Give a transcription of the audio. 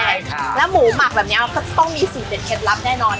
ใช่ค่ะแล้วหมูหมักแบบนี้ก็ต้องมีสูตรเด็ดเคล็ดลับแน่นอน